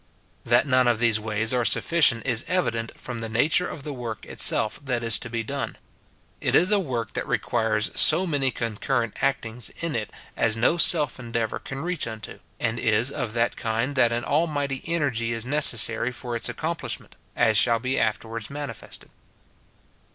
That none of these ways are sufficient is evident from the nature of the work itself that is to be done ; it is a work that requires so many concurrent actings in it as no self endeavour can reach unto, and is of that kind that an almighty energy is necessary for its accomplish ment ; as shall be afterwards manifested.